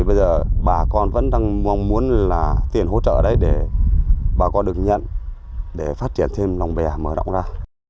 bây giờ bà con vẫn đang mong muốn là tiền hỗ trợ đấy để bà con được nhận để phát triển thêm lòng bè mở rộng ra